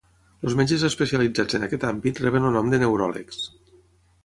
Els metges especialitzats en aquest àmbit reben el nom de neuròlegs.